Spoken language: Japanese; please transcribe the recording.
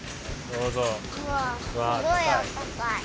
うわすごいあったかい。